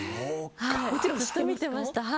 もちろん、ずっと見てました